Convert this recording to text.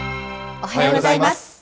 おはようございます。